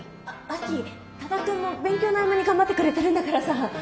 あっ亜紀多田くんも勉強の合間に頑張ってくれてるんだからさ。